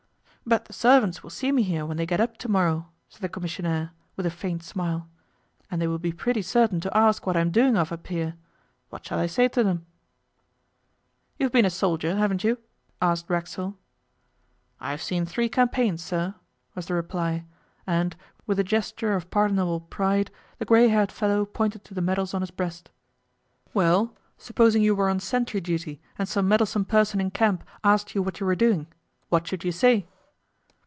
'But the servants will see me here when they get up to morrow,' said the commissionaire, with a faint smile, 'and they will be pretty certain to ask what I'm doing of up here. What shall I say to 'em?' 'You've been a soldier, haven't you?' asked Racksole. 'I've seen three campaigns, sir,' was the reply, and, with a gesture of pardonable pride, the grey haired fellow pointed to the medals on his breast. 'Well, supposing you were on sentry duty and some meddlesome person in camp asked you what you were doing what should you say?